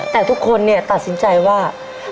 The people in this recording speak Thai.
แต่ทุกคนตัดสินใจว่า